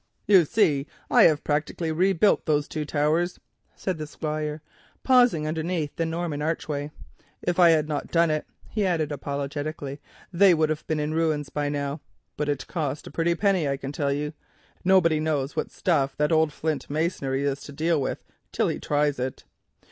"You see I have practically rebuilt those two towers," said the Squire, pausing underneath the Norman archway. "If I had not done it," he added apologetically, "they would have been in ruins by now, but it cost a pretty penny, I can tell you. Nobody knows what stuff that old flint masonry is to deal with, till he tries it.